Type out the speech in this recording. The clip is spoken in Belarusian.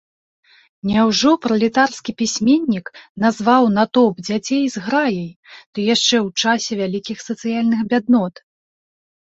Няўжо пралетарскі пісьменнік назваў натоўп дзяцей зграяй, ды яшчэ ў часе вялікіх сацыяльных бяднот?